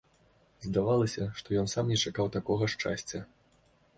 Здавалася, што ён сам не чакаў такога шчасця.